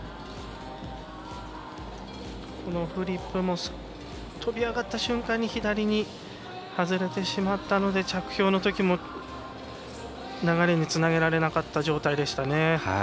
フリップも跳び上がった瞬間に左に外れてしまったので着氷のときも流れにつなげられなかった状態でしたね。